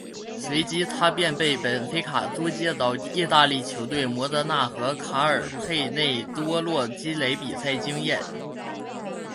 随即他便被本菲卡租借到意大利球队摩德纳和卡尔佩内多洛积累比赛经验。